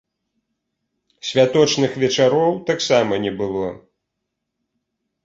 Святочных вечароў таксама не было.